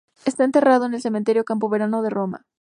Está enterrado en el cementerio Campo Verano de Roma.